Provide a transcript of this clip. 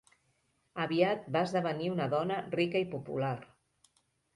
Aviat va esdevenir una dona rica i popular.